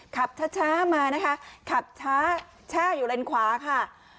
ขับช้ามานะคะขับช้าแช่อยู่เลนขวาค่ะ